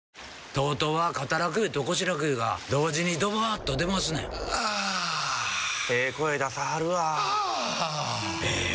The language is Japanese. ＴＯＴＯは肩楽湯と腰楽湯が同時にドバーッと出ますねんあええ声出さはるわあええ